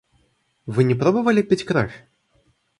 Вы не пробовали пить кровь?